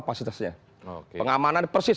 opasitasnya pengamanan persis